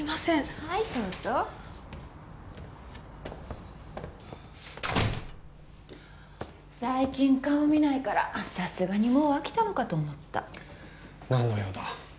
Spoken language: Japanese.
はいどうぞ最近顔見ないからさすがにもう飽きたのかと思った何の用だ？